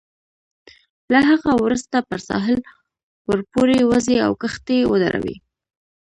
له هغه وروسته پر ساحل ورپورې وزئ او کښتۍ ودروئ.